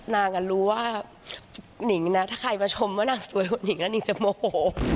นางก็รู้ว่าถ้าใครมาชมว่านางสวยกว่านิงนางก็จะโมโห